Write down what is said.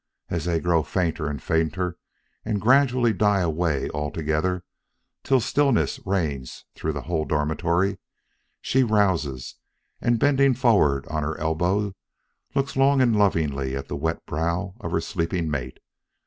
As they grow fainter and fainter and gradually die away altogether till stillness reigns through the whole dormitory, she rouses and bending forward on her elbow, looks long and lovingly at the wet brow of her sleeping mate.